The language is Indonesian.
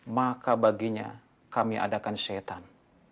maka baginya kami adakan syetan